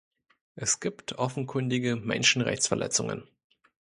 Es gibt offenkundige Menschenrechtsverletzungen.